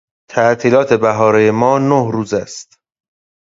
تعطیلات بهارهی ما نه روز است.